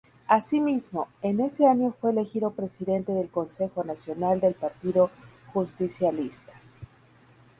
Asimismo, en ese año fue elegido Presidente del Consejo Nacional del Partido Justicialista.